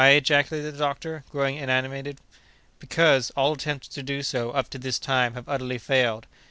ejaculated the doctor, growing animated. "Because, all attempts to do so, up to this time, have utterly failed.